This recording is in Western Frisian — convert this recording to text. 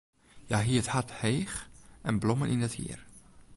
Hja hie it hart heech en blommen yn it hier.